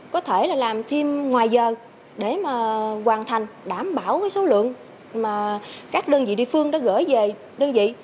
có thể là làm thêm ngoài giờ để mà hoàn thành đảm bảo số lượng mà các đơn vị địa phương đã gửi về đơn vị